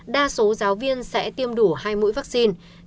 đa số giáo viên sẽ tiêm đủ hai mũi vaccine